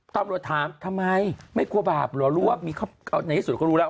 ตำรวจถามทำไมไม่กลัวบาปเหรอรู้ว่ามีในที่สุดก็รู้แล้ว